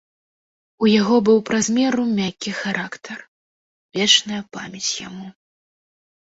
У яго быў праз меру мяккі характар, вечная памяць яму.